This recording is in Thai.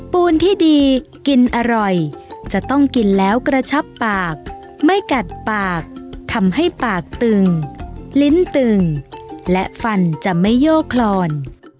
ปูนที่ดีกินอร่อยจะต้องกินแล้วกระชับปากไม่กัดปากทำให้ปากตึงลิ้นตึงและฟันจะไม่โยกคลอน